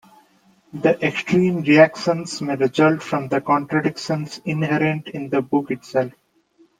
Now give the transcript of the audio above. The extreme reactions may result from the contradictions inherent in the book itself.